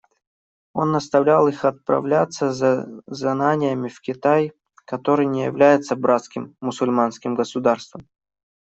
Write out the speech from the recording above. Он наставлял их отправляться за знаниями в Китай, который не является братским мусульманским государством.